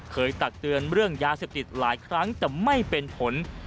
ตักเตือนเรื่องยาเสพติดหลายครั้งแต่ไม่เป็นผล